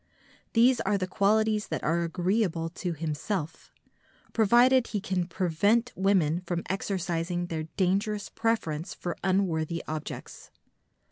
These are the qualities that are agreeable to himself, provided he can prevent women from exercising their dangerous preference for unworthy objects.